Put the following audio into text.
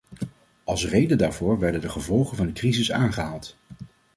Als reden daarvoor werden de gevolgen van de crisis aangehaald.